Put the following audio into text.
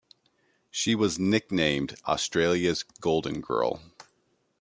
She was nicknamed Australia's "Golden Girl".